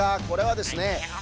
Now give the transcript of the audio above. これはですね